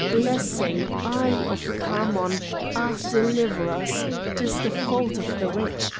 blessing! Eye of Khamon! ah! deliver us! 'Tis the fault of the rich!